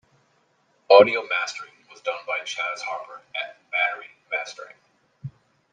Audio mastering was done by Chaz Harper at Battery Mastering.